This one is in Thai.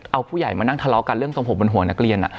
เอาผู้ใหญ่มานั่งทะเลาะกันเรื่องทรงผมบนหัวนักเรียน